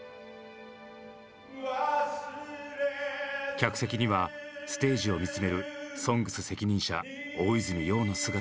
客席にはステージを見つめる「ＳＯＮＧＳ」責任者大泉洋の姿が。